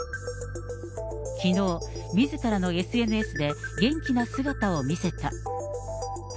きのう、みずからのＳＮＳで、元気な姿を見せた。